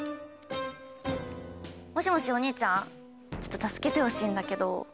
もしもしお兄ちゃんちょっと助けてほしいんだけど。